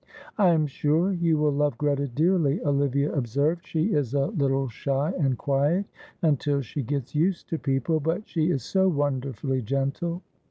"I am sure you will love Greta dearly," Olivia observed. "She is a little shy and quiet until she gets used to people, but she is so wonderfully gentle."